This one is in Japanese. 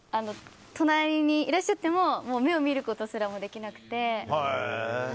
隣にいらっしゃってももう目を見ることすらもできなくて。